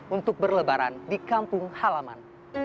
untuk berlebaran di kampung halaman